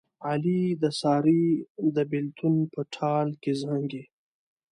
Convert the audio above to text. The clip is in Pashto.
علي د سارې د بلېتون په ټال کې زانګي.